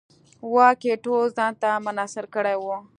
واک یې ټول ځان ته منحصر کړی و.